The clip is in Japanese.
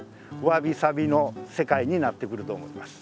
わびさびの世界になってくると思います。